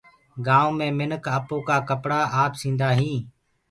گآئونٚ مي منک آپو ڪآ ڪپڙآ آپ سيندآ هينٚ۔